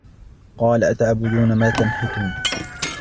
قال أتعبدون ما تنحتون